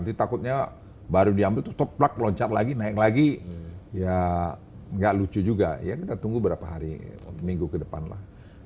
nanti takutnya baru diambil tuh toplak loncat lagi naik lagi ya nggak lucu juga ya kita tunggu berapa hari minggu ke depan lah